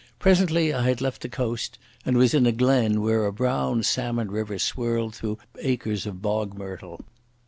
Presently I had left the coast and was in a glen where a brown salmon river swirled through acres of bog myrtle.